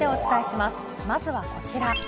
まずはこちら。